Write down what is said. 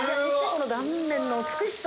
この断面の美しさ。